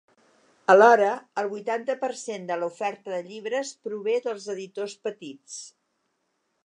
Alhora, el vuitanta per cent de l’oferta de llibres prové dels editors petits.